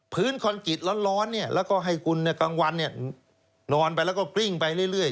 คอนกรีตร้อนแล้วก็ให้คุณกลางวันนอนไปแล้วก็กลิ้งไปเรื่อย